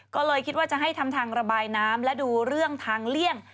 ก็เลยคิดว่าจะให้ทำทางระบายน้ำและดูเรื่องทางเลี่ยง